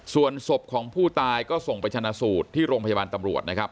ส่วนศพของผู้ตายก็ส่งไปชนะสูตรที่โรงพยาบาลตำรวจนะครับ